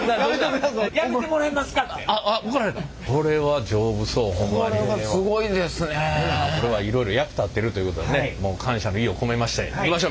これはいろいろ役立ってるということでもう感謝の意を込めましていきましょう。